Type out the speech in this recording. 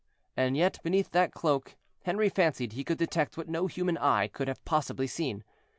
And yet, beneath that cloak, Henri fancied he could detect what no human eye could have possibly seen.